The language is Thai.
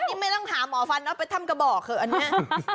นี่ไม่ต้องหาหมอฟันเนาะไปถ้ำกระบอกเถอะอันนี้